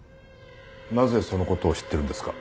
なぜその事を知ってるんですか？